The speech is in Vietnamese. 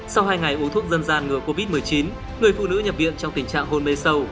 sau hai ngày uống thuốc dân gian ngừa covid một mươi chín người phụ nữ nhập viện trong tình trạng hôn mê sâu